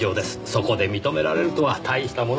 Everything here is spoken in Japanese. そこで認められるとは大したものですねぇ。